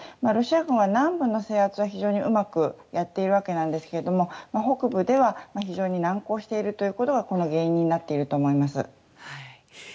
ロシア軍は南部の制圧はうまくやっているようなんですが北部では非常に難航していることがこの原因になっていると思います。